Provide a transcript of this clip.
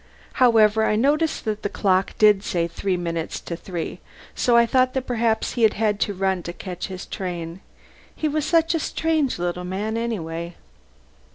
However, I noticed that the clock said three minutes to three, so I thought that perhaps he had had to run to catch his train. He was such a strange little man, anyway....